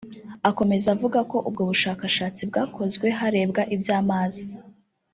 Akomeza avuga ko ubwo bushakashatsi bwakozwe harebwa iby’amazi